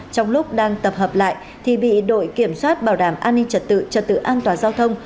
trong lúc đang tập hợp lại thì bị đội kiểm soát bảo đảm an ninh trật tự trật tự an toàn giao thông